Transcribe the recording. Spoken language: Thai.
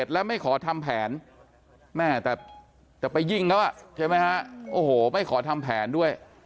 และไม่ขอทำแผนอีกอย่างแทบแต่ไปยิ่งละวะใช่ไหมฮะโอ้โหไม่ขอทำแผนด้วย